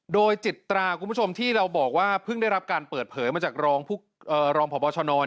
โดยจิตราคุณผู้ชมที่เราบอกว่าเพิ่งได้รับการเปิดเผยมาจากรองพบชน